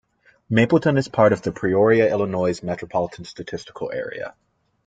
Mapleton is part of the Peoria, Illinois Metropolitan Statistical Area.